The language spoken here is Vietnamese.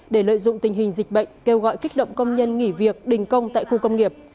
để lợi dụng tình hình dịch bệnh kêu gọi kích động công nhân nghỉ việc đình công tại khu công nghiệp